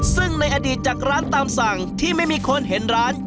ซึ่งในอดีตจากร้านตามสั่งที่ไม่มีคนเห็นร้าน